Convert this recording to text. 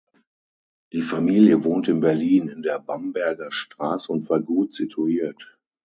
Die Familie wohnte in Berlin in der Bamberger Straße und war gut situiert.